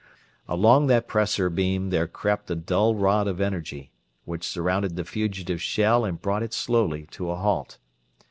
Along that pressor beam there crept a dull rod of energy, which surrounded the fugitive shell and brought it slowly to a halt.